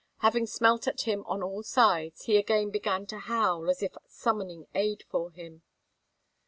Having smelt at him on all sides, he again began to howl, as if summoning aid for him.